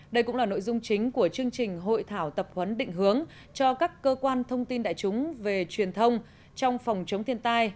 đây cũng là nội dung chính của chương trình hội thảo tập huấn định hướng cho các cơ quan thông tin đại chúng về truyền thông trong phòng chống thiên tai